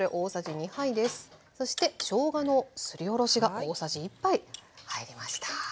そしてしょうがのすりおろしが大さじ１杯入りました。